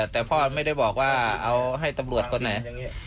แต่พ่อไม่ได้บอกว่าเอาให้ตำรวจคนไหน